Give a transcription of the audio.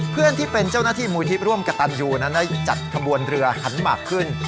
เพื่อนที่เป็นเจ้าหน้าที่มูลที่ร่วมกระตันยูนั้นได้จัดขบวนเรือหันมากขึ้น